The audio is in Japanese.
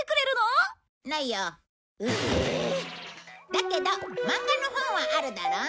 だけどマンガの本はあるだろう？